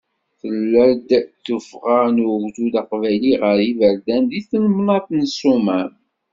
Tella-d tuffɣa n ugdud aqbayli ɣer yiberdan deg temnaḍt n Ssumam.